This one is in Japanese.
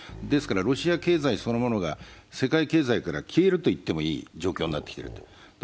ですからロシア経済そのものが世界経済から消えると言ってもいい状況になっている。